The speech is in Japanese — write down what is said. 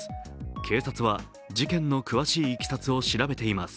警察は事件の詳しいいきさつを調べています。